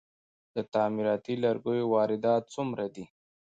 د تعمیراتي لرګیو واردات څومره دي؟